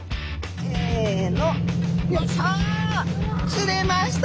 釣れました！